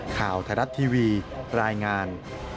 ข่าวไทยรัฐทีวีรายงาน